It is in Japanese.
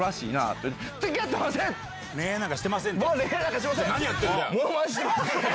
僕は恋愛なんかしません！